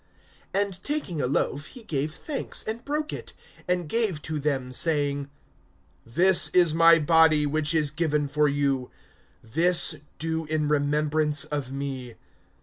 (19)And taking a loaf, he gave thanks, and broke it, and gave to them, saying: This is my body which is given for you; this do in remembrance of me.